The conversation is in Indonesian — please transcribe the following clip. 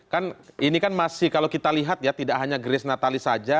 kan ini kan masih kalau kita lihat ya tidak hanya grace natali saja